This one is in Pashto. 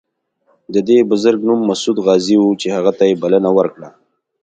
د دې بزرګ نوم مسعود غازي و چې هغه ته یې بلنه ورکړه.